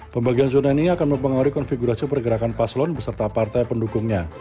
pembagian zona ini akan mempengaruhi konfigurasi pergerakan paslon beserta partai pendukungnya